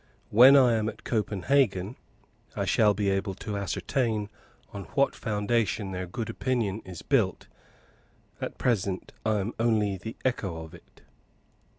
When I am at Copenhagen, I shall be able to ascertain on what foundation their good opinion is built; at present I am only the echo of it.